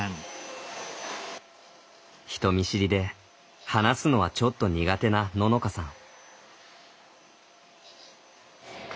人見知りで話すのはちょっと苦手なののかさん。